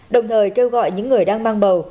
đồng thời kêu gọi những người đang mang bầu